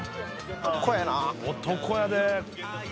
男やで。